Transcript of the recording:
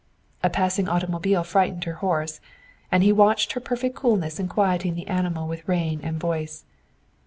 A passing automobile frightened her horse, and he watched her perfect coolness in quieting the animal with rein and voice.